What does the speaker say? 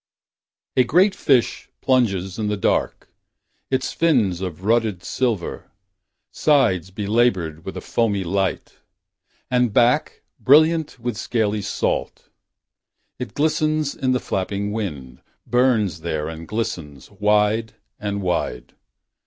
A great fish plunges in the dark. Its fins of rutted silver; sides. Belabored with a foamy light; And back, brilliant with scaly salt. It glistens in the flapping wind. Burns there and glistens, wide and wide.